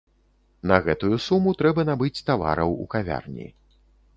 На гэтую суму трэба набыць тавараў у кавярні.